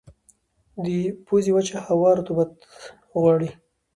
د پوزې وچه هوا رطوبت غواړي.